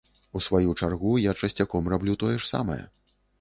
У сваю чаргу, я часцяком раблю тое ж самае.